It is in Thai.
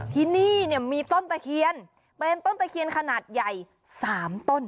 ที่นี่เนี่ยมีต้นตะเคียนเป็นต้นตะเคียนขนาดใหญ่๓ต้น